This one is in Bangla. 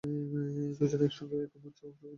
দুজনে এক সঙ্গে একই মঞ্চে অংশগ্রহণ করেছেন।